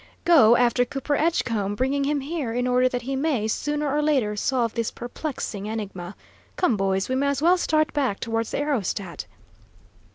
"Go after Cooper Edgecombe, bringing him here in order that he may, sooner or later, solve this perplexing enigma. Come, boys, we may as well start back towards the aerostat."